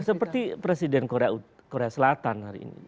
seperti presiden korea selatan hari ini